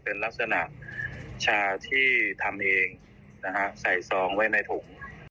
เป็นลักษณะชาที่ทำเองนะฮะใส่ซองไว้ในถุง